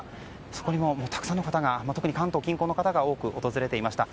そこにもたくさんの方が特に関東近郊の方が多く訪れていました。